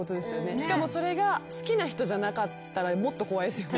しかもそれが好きな人じゃなかったらもっと怖いですよね。